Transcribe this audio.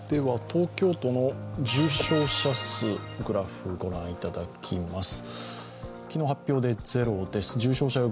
東京都の重症者数のグラフを御覧いただきます。